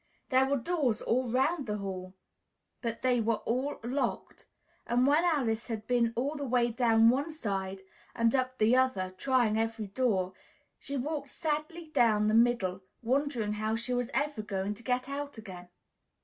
There were doors all 'round the hall, but they were all locked; and when Alice had been all the way down one side and up the other, trying every door, she walked sadly down the middle, wondering how she was ever to get out again.